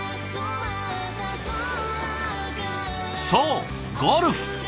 そうゴルフ。